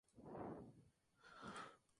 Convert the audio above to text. Contrajo matrimonio con Josefina Sutil Borges.